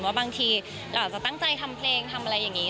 บางทีเราอาจจะตั้งใจทำเพลงทำอะไรอย่างนี้